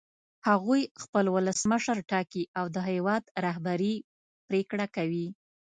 هغوی خپل ولسمشر ټاکي او د هېواد رهبري پرېکړه کوي.